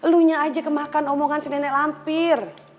lunya aja kemakan omongan si nenek lampir